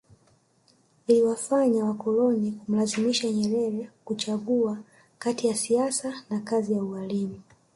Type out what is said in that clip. Iliwafanya wakoloni kumlazimisha Nyerere kuchagua kati ya siasa na kazi ya ualimu